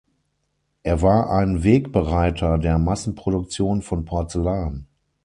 Er war ein Wegbereiter der Massenproduktion von Porzellan.